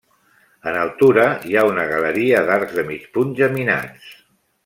En altura hi ha una galeria d'arcs de mig punt geminats.